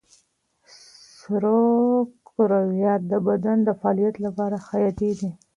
سرو کرویات د بدن د فعالیت لپاره حیاتي دي.